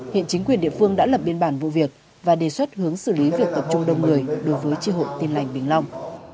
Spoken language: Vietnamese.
hiện chính quyền địa phương đã lập biên bản vụ việc và đề xuất hướng xử lý việc tập trung đông người đối với tri hội tin lành bình long